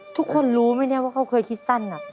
ทุกคนรู้ไหมเนี่ยว่าเขาเคยคิดสั้น